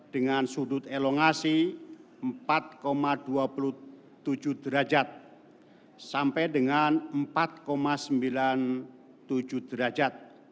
dengan sudut elongasi empat dua puluh tujuh derajat sampai dengan empat sembilan puluh tujuh derajat